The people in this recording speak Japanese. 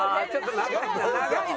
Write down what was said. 長いな！